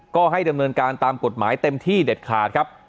ก็ให้ดำเนินการตามกฎหมายเต็มที่เด็ดขาดครับ